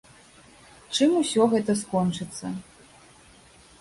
Чым усё гэта скончыцца.